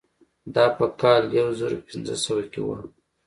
دا په کال یو زر پنځه سوه کې وه.